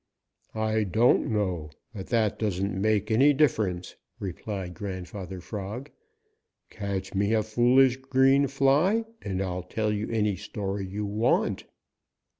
"I don't know, but that doesn't make any difference," replied Grandfather Frog. "Catch me a foolish green fly, and I'll tell you any story you want."